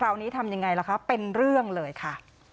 คราวนี้ทำยังไงล่ะคะเป็นเรื่องเลยค่ะ